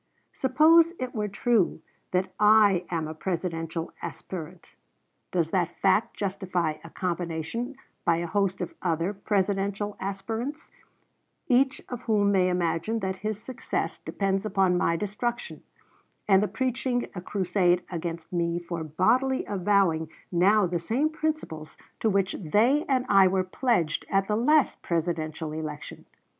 "Suppose it were true that I am a Presidential aspirant; does that fact justify a combination by a host of other Presidential aspirants, each of whom may imagine that his success depends upon my destruction, and the preaching a crusade against me for boldly avowing now the same principles to which they and I were pledged at the last Presidential election!